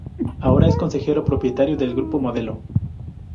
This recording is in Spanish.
Ahora es consejero propietario del Grupo Modelo.